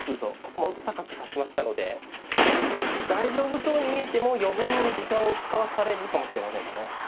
駒音高く指しましたので大丈夫そうに見えても余分に時間を使わされるかもしれませんね。